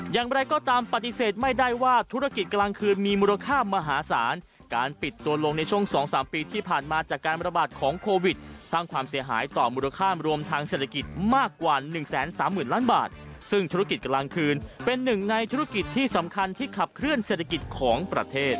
อย่างไรก็ตามปฏิเสธไม่ได้ว่าธุรกิจกลางคืนมีมูลค่ามหาศาลการปิดตัวลงในช่วง๒๓ปีที่ผ่านมาจากการระบาดของโควิดสร้างความเสียหายต่อมูลค่ารวมทางเศรษฐกิจมากกว่า๑๓๐๐๐ล้านบาทซึ่งธุรกิจกลางคืนเป็นหนึ่งในธุรกิจที่สำคัญที่ขับเคลื่อเศรษฐกิจของประเทศ